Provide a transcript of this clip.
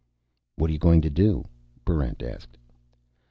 "What are you going to do?" Barrent asked.